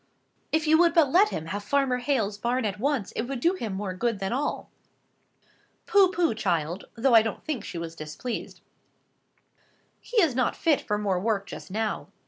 "If you would but let him have Farmer Hale's barn at once, it would do him more good than all." "Pooh, pooh, child!" though I don't think she was displeased, "he is not fit for more work just now.